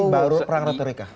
masih baru perang retorika